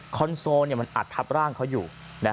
คอนโซลมันอัดทับร่างเขาอยู่